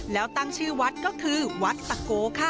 แล้วตั้งชื่อวัดก็คือวัดตะโกค่ะ